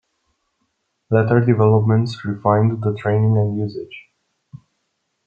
Later developments refined the training and usage.